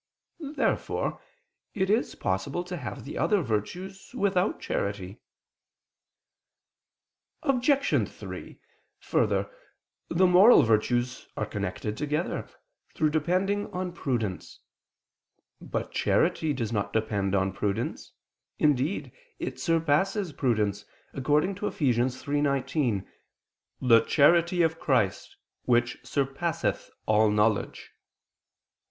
Therefore it is possible to have the other virtues without charity. Obj. 3: Further, the moral virtues are connected together, through depending on prudence. But charity does not depend on prudence; indeed, it surpasses prudence, according to Eph. 3:19: "The charity of Christ, which surpasseth all knowledge."